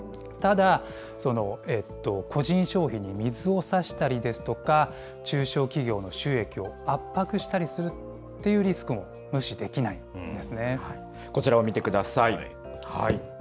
ただ、個人消費に水をさしたりですとか、中小企業の収益を圧迫したりするっていうリスクも無視できないんこちらを見てください。